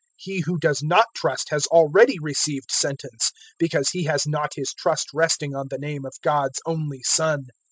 He who does not trust has already received sentence, because he has not his trust resting on the name of God's only Son.